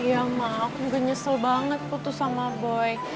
iya mah aku juga nyesel banget putus sama boy